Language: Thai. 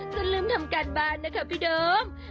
จะลืมทำการบานนะครับพี่เดิม